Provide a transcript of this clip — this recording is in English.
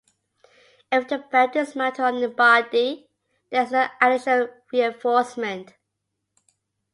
If the belt is mounted in the body, there is no additional reinforcement.